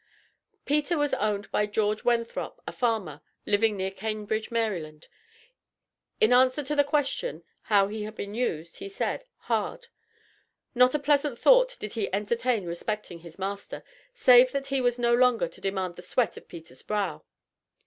Peter was owned by George Wenthrop, a farmer, living near Cambridge, Md. In answer to the question, how he had been used, he said "hard." Not a pleasant thought did he entertain respecting his master, save that he was no longer to demand the sweat of Peter's brow.